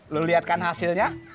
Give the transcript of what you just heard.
lo lihat kan hasilnya